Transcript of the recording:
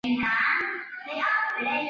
崎玉县出身。